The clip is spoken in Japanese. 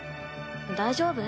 大丈夫？